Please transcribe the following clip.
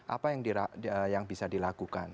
apa yang bisa dilakukan